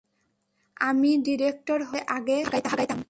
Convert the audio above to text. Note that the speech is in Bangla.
আমি ডিরেক্টর হলে তোরে আগে ভাগাইতাম।